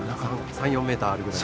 ３４ｍあるぐらい。